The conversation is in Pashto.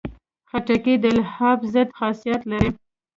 خټکی د التهاب ضد خاصیت لري.